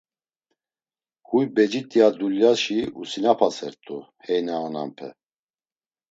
Huy becit̆i a dulyaşi usinapasert̆u hey na onanpe.